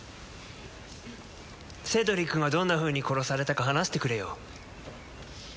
セドリックがどんなふうに殺されたか話してくれよ